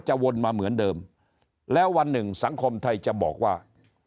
วนมาเหมือนเดิมแล้ววันหนึ่งสังคมไทยจะบอกว่า